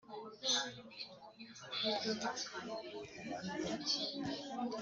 nyamuneka reka mfate mushiki wawe kuri sitasiyo.